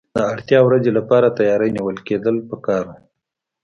د اړتیا ورځې لپاره تیاری نیول پکار دي.